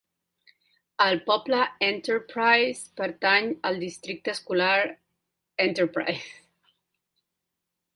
El poble Enterprise pertany al districte escolar Enterprise.